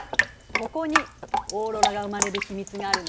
ここにオーロラが生まれる秘密があるのよ。